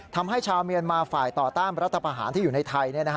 ทำให้ชาวเมียนมาฝ่ายต่อต้านรัฐประหารที่อยู่ในไทย